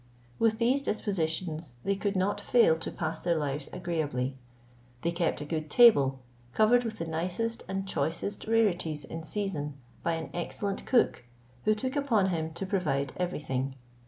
With these dispositions they could not fail to pass their lives agreeably. They kept a good table covered with the nicest and choicest rarities in season, by an excellent cook, who took upon him to provide every thing.